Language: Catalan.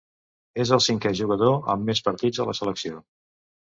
És el cinquè jugador amb més partits a la selecció.